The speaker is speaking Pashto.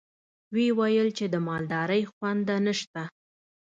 ويې ويل چې د مالدارۍ خونده نشته.